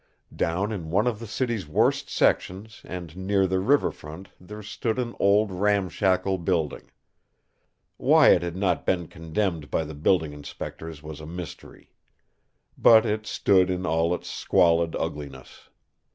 Down in one of the city's worst sections and near the river front there stood an old ramshackle building. Why it had not been condemned by the building inspectors was a mystery. But it stood in all its squalid ugliness.